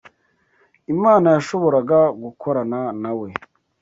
Imana yashoboraga gukorana na we